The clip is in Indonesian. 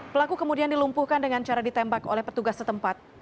pelaku kemudian dilumpuhkan dengan cara ditembak oleh petugas setempat